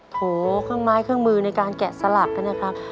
โถเครื่องไม้เครื่องมือในการแกะสลักนะครับ